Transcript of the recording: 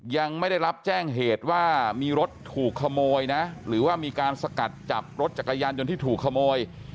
ยังไม่ได้รับแจ้งเหตุว่ามีรถถูกขโมยนะหรือว่ามีการสกัดจับรถจักรยานยนต์ที่ถูกขโมย